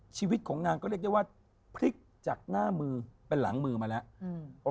ชีวิตของนางก็เรียกได้ว่าพลิกจากหน้ามือเป็นหลังมือมาแล้ว